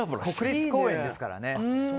国立公園ですからね。